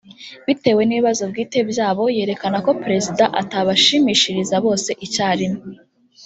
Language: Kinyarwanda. bitewe n’ibibazo bwite byabo yerekana ko perezida atabashimishiriza bose icyarimwe